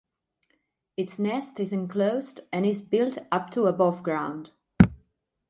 Its nest is enclosed and is built up to above ground.